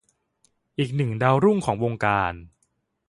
อีกหนึ่งดาวรุ่งของวงการ